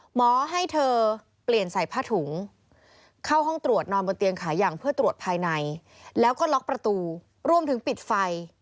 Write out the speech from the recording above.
หมอให้เธอเปลี่ยนใส่ผ้าถุงเข้าห้องตรวจนอนบนเตียงขายังเพื่อตรวจภายในแล้วก็ล็อกประตูรวมถึงปิดไฟ